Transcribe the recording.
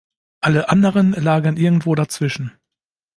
Alle anderen lagen irgendwo dazwischen.